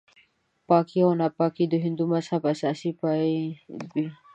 پاکي او ناپاکي د هندو مذهب اساسي پایې وې.